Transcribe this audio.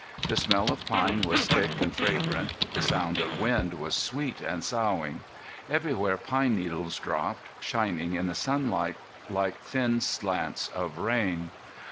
The smell of pine was thick and fragrant; the sound of wind was sweet and soughing. Everywhere pine needles dropped, shining in the sunlight like thin slants of rain.